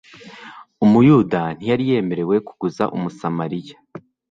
Umuyuda ntiyari yemerewe kuguza Umunyasamariya,